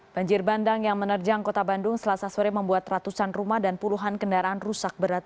banjir bandang yang menerjang kota bandung selasa sore membuat ratusan rumah dan puluhan kendaraan rusak berat